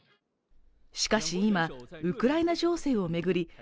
しかし今ウクライナ情勢を巡り